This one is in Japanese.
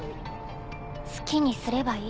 好きにすればいい。